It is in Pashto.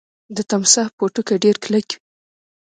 د تمساح پوټکی ډیر کلک وي